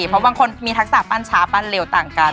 เพราะบางคนมีทักษะปั้นช้าปั้นเร็วต่างกัน